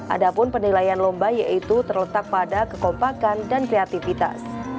ada pun penilaian lomba yaitu terletak pada kekompakan dan kreativitas